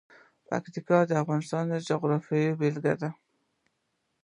پکتیا د افغانستان د جغرافیې بېلګه ده.